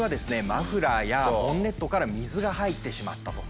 マフラーやボンネットから水が入ってしまったと。